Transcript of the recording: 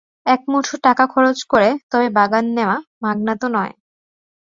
-একটা মুঠো টাকা খরচ করে তবে বাগান নেওয়া-মাগনা তো নয়।